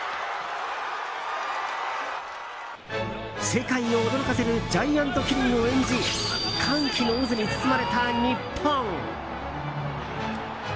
世界を驚かせるジャイアントキリングを演じ歓喜の渦に包まれた日本。